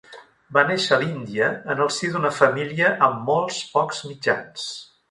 Va néixer a l'Índia en el si d'una família amb molts pocs mitjans.